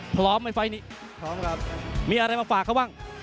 พร้อมไหมไฟล์นี้พร้อมครับมีอะไรมาฝากเขาบ้าง